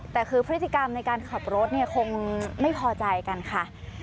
แต่คือพฤติกรรมในการขับรถเนี่ยคงไม่พอใจกันค่ะ